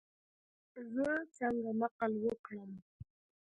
زه څنګه نقل وکړم؟